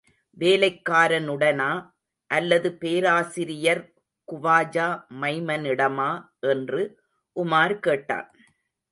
வேலைக்காரனுடனா அல்லது பேராசிரியர் குவாஜா மைமனிடமா என்று உமார் கேட்டான்.